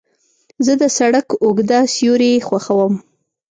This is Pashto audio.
زه د سړک اوږده سیوري خوښوم.